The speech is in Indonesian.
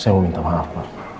saya mau minta maaf pak